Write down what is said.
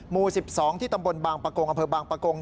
หมู่๑๒ที่ตำบลบางประกงอำเภอบางปะโกง